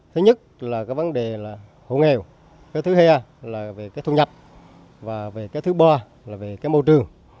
thứ nhất là vấn đề hộ nghèo thứ hai là về thu nhập và thứ ba là về môi trường